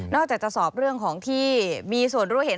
จากจะสอบเรื่องของที่มีส่วนรู้เห็น